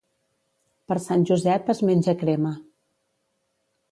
Per Sant Josep, es menja crema.